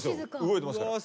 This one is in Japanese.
動いてますから。